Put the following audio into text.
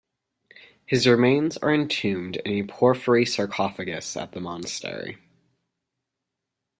His remains are entombed in a porphyry sarcophagus at the monastery.